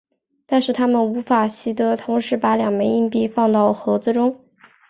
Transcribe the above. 但是它们无法习得同时把两枚硬币放到盒子中。